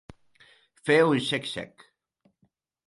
Fer un xec-xec.